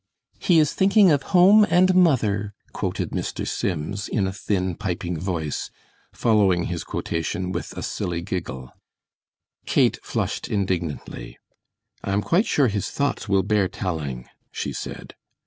"He is 'thinking of home and mother,'" quoted Mr. Sims, in a thin, piping voice, following his quotation with a silly giggle. Kate flushed indignantly. "I am quite sure his thoughts will bear telling," she said.